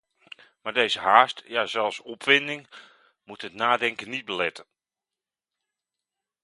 Maar deze haast, ja zelfs opwinding, moet het nadenken niet beletten.